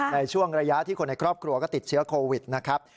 ในช่วงระยะที่คนในครอบครัวก็ติดเชื้อโควิดนะครับ